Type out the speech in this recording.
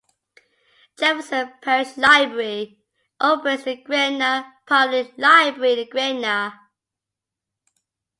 Jefferson Parish Library operates the Gretna Public Library in Gretna.